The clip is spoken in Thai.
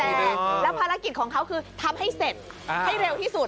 แล้วภารกิจของเขาคือทำให้เสร็จให้เร็วที่สุด